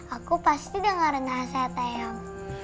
aku pasti dengar nasihatnya yang